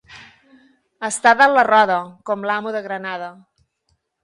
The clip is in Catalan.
Estar dalt la roda, com l'amo de Granada.